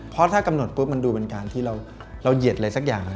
เพราะถ้ากำหนดปุ๊บมันดูเป็นการที่เราเหยียดอะไรสักอย่าง